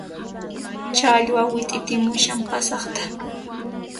Challwa wit'itimushan pasaqta